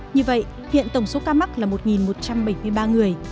như vậy hiện tổng số ca mắc là một một trăm bảy mươi ba người